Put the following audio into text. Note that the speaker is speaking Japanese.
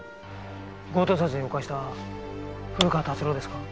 強盗殺人を犯した古川達郎ですか？